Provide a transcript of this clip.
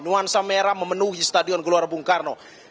nuansa merah memenuhi stadion gelora bung karno